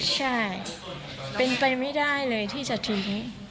ใช่เป็นไปไม่ได้เลยที่จะทิ้ง